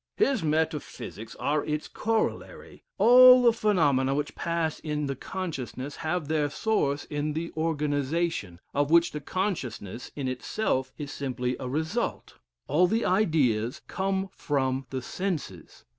"His metaphysics are its corollary; all the phenomena which pass in the consciousness have their source in the organization, of which the consciousness in itself is simply a result. All the ideas come from the senses.